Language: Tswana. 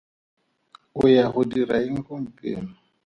O ya go dira eng gompieno?